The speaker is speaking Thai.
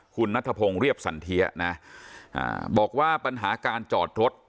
คุณนัทพงศ์เรียบสันเทียนะบอกว่าปัญหาการจอดรถ